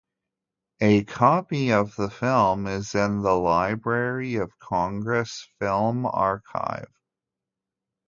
A copy of the film is in the Library of Congress film archive.